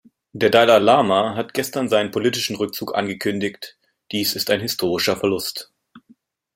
Der Dalai Lama hat gestern seinen politischen Rückzug angekündigt dies ist ein historischer Verlust.